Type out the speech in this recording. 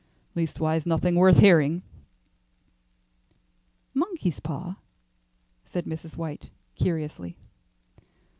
"Leastways nothing worth hearing." "Monkey's paw?" said Mrs. White, curiously.